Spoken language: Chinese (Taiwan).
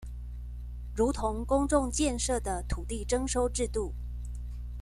如同公眾建設的土地徵收制度